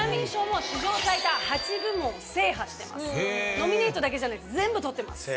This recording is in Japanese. ノミネートだけじゃない全部取ってます。